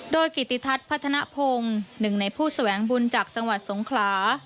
โดยกิติทัศน์พัฒนภงหนึ่งในผู้แสวงบุญจากจังหวัดสงขลา